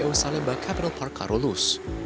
kondisi jpo salemba capital park karolus